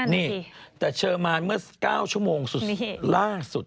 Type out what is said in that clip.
นี่แต่เชอร์มานเมื่อ๙ชั่วโมงสุดล่าสุด